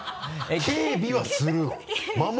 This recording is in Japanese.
警備はするの？